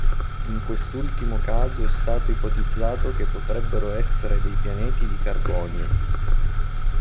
In quest'ultimo caso è stato ipotizzato che potrebbero essere dei pianeti di carbonio.